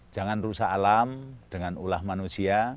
jangan rusak alam dengan ulah manusia